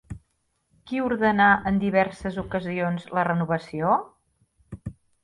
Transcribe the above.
Qui ordenà en diverses ocasions la renovació?